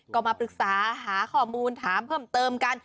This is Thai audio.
ก็มาปรึกษาหาข้อมูลถามเพิ่มเติมกัน